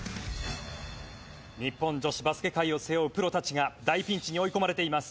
日本女子バスケ界を背負うプロたちが大ピンチに追い込まれています。